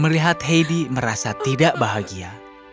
melihat heidi merasa tidak bahagia